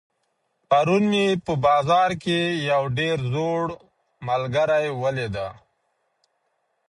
پرون مي په بازار کي یو ډېر زوړ ملګری ولیدی.